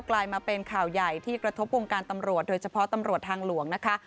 กลายมาเป็นข่าวใหญ่ที่กระทบวงการตำรวจโดยเฉพาะตำรวจทางหลวงนะคะ